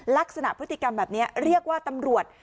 ลักษณะพฤติกรรมแบบนี้เรียกว่าตำรวจ